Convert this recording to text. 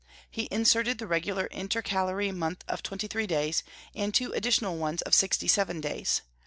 He inserted the regular intercalary month of twenty three days, and two additional ones of sixty seven days.